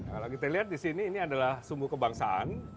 kalau kita lihat di sini ini adalah sumbu kebangsaan